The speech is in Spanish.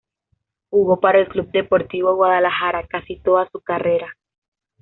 Jugó para el Club Deportivo Guadalajara casi toda su carrera.